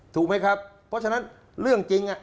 ถูกไหมครับเพราะฉะนั้นเรื่องจริง